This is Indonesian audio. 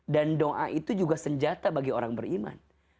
dan doa itu juga senjata bagi orang beriman